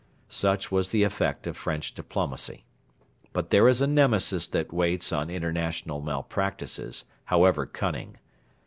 Such was the effect of French diplomacy. But there is a Nemesis that waits on international malpractices, however cunning.